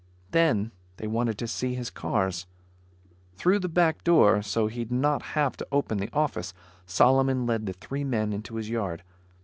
Then they wanted to see his cars. Through the back door, so he'd not have to open the office, Solomon led the three men into his yard.